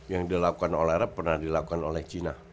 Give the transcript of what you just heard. yang dilakukan oleh arab pernah dilakukan oleh china